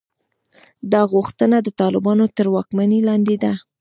دا غوښتنه د طالبانو تر واکمنۍ لاندې ده.